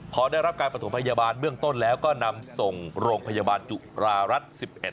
พอได้รับการประถมพยาบาลเบื้องต้นแล้วก็นำส่งโรงพยาบาลจุฬารัฐ๑๑